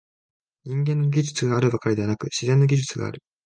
人間の技術があるばかりでなく、「自然の技術」がある。